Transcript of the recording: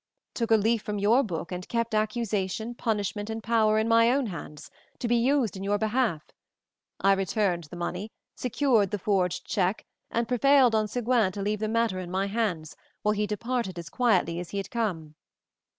"Took a leaf from your book and kept accusation, punishment, and power in my own hands, to be used in your behalf. I returned the money, secured the forged check, and prevailed on Seguin to leave the matter in my hands, while he departed as quietly as he had come.